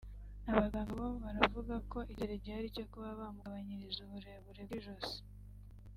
Abaganga bo baravuga ko icyizere gihari cyo kuba bamugabanyiriza uburebure bw’ijosi